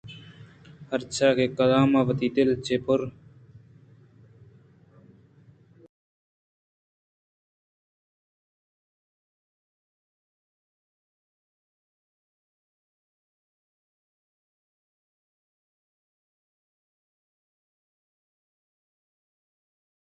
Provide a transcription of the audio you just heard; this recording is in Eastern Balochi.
پرچا کہ کلام ءَوتی دل چہ من پرکُت ءُمن ءَیل دات